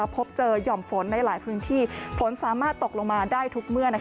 พบเจอหย่อมฝนในหลายพื้นที่ฝนสามารถตกลงมาได้ทุกเมื่อ